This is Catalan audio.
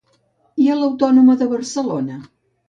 I a l'Autònoma de Barcelona?